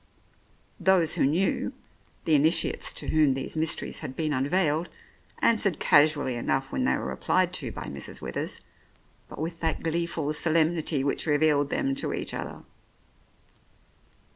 Those who knew, the initiates to whom these mysteries had been unveiled, answered casually enough when they were applied to by Mrs. Withers, but with that gleeful solemnity which revealed them to each other.